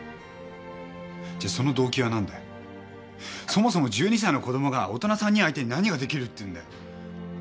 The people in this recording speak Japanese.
じゃその動機は何だよ？そもそも１２歳の子供が大人３人相手に何ができるって言うんだよ？